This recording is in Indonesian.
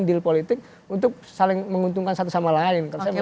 deal politik untuk saling menguntungkan satu sama lain